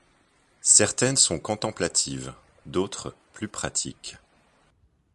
Certaines sont contemplatives, d'autres plus pratiques.